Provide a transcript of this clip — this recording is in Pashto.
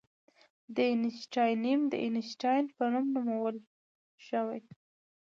د اینشټاینیم د اینشټاین په نوم نومول شوی.